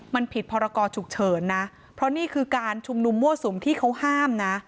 มันผิดพรกรฉุกเฉินนะเพราะนี่คือการชุมนุมมั่วสุมที่เขาห้ามนะ